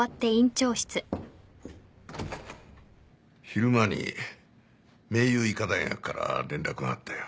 昼間に明侑医科大学から連絡があったよ。